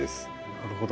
なるほど。